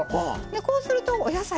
こうするとお野菜